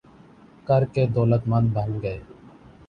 کر کے دولتمند بن گئے